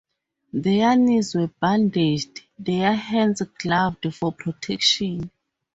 Their knees were bandaged, their hands gloved, for protection.